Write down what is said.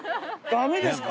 ダメですか？